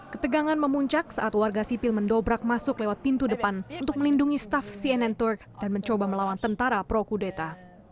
ketegangan memuncak saat warga sipil mendobrak masuk lewat pintu depan untuk melindungi staff cnn turk dan mencoba melawan tentara pro kudeta